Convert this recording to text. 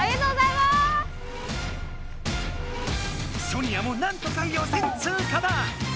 ソニアもなんとか予選通過だ！